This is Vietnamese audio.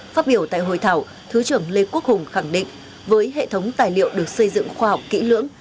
phát biểu tại hội thảo thứ trưởng lê quốc hùng khẳng định với hệ thống tài liệu được xây dựng khoa học kỹ lưỡng